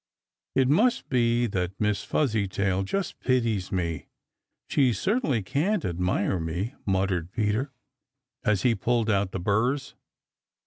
"It must be that Miss Fuzzytail just pities me. She certainly can't admire me," muttered Peter, as he pulled out the burrs.